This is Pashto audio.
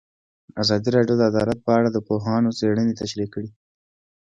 ازادي راډیو د عدالت په اړه د پوهانو څېړنې تشریح کړې.